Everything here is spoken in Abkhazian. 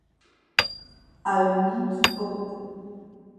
Аҩны дтәоуп.